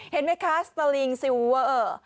เห็นไหมคะสตอลิงซิลเวอร์